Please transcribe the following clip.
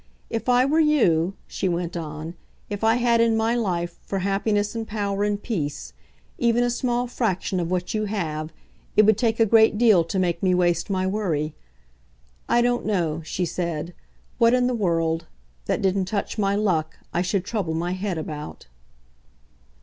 If I were you," she went on "if I had in my life, for happiness and power and peace, even a small fraction of what you have, it would take a great deal to make me waste my worry. I don't know," she said, "what in the world that didn't touch my luck I should trouble my head about."